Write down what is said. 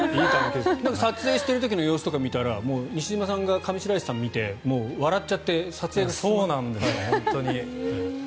撮影している時の様子とか見たら西島さんが上白石さんを見て笑っちゃって撮影が。そうなんです、本当に。